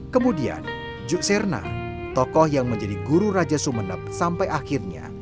kemudian juk serna tokoh yang menjadi guru raja sumeneb sampai akhirnya